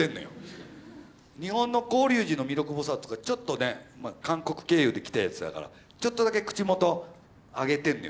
日本の広隆寺の弥勒菩薩とかちょっとね韓国経由で来たやつだからちょっとだけ口元上げてんのよ。